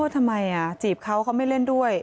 ทำไมจีบเขาเขาไม่เล่นด้วย